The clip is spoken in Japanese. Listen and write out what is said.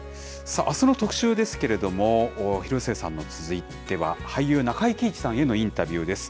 あすの特集ですけれども、広末さんに続いては、俳優、中井貴一さんへのインタビューです。